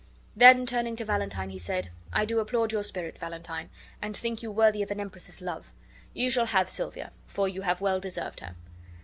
Then turning to Valentine he said: "I do applaud your spirit, Valentine, and think you worthy of an empress's love. You shall have Silvia, for you have well deserved her."